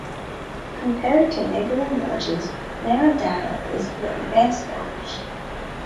Compared to neighboring villages, Nara Dada is an advanced village.